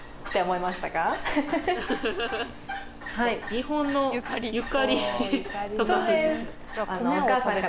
日本の「ゆかり」とか。